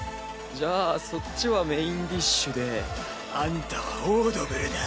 じゃあそっちはメインディッシュであんたはオードブルだ。